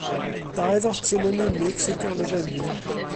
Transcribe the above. Dau ddotyn yn unig sydd gan y fenyw.